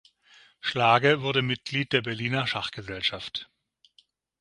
Schlage wurde Mitglied der Berliner Schachgesellschaft.